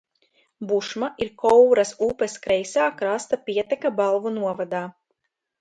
Bušma ir Kouras upes kreisā krasta pieteka Balvu novadā.